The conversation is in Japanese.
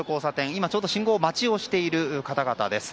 今ちょうど信号待ちをしている方々です。